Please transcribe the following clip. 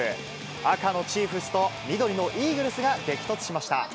赤のチーフスと緑のイーグルスが激突しました。